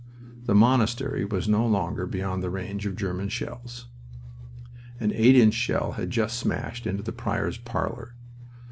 The monastery was no longer beyond the range of German shells. An eight inch shell had just smashed into the prior's parlor.